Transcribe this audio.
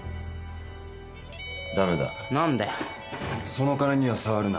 その金には触るな。